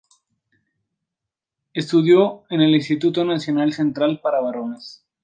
Estudió en el Instituto Nacional Central para Varones.